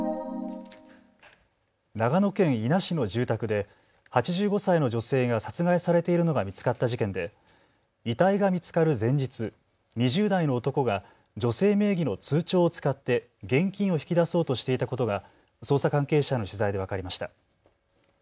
長野県伊那市の住宅で８５歳の女性が殺害されているのが見つかった事件で遺体が見つかる前日、２０代の男が女性名義の通帳を使って現金を引き出そうとしていたことが捜査関係者への取材で分かりました。